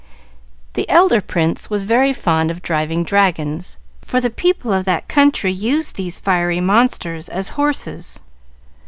"The elder prince was very fond of driving dragons, for the people of that country used these fiery monsters as horses."